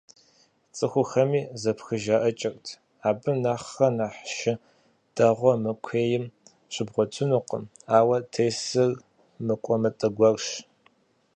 ЦӀыхухэми зэпхыжаӀыкӀырт: «Абы нэхърэ нэхъ шы дэгъуэ мы куейм щыбгъуэтынкъым, ауэ тесыр мыкӀуэмытэ гуэрщ».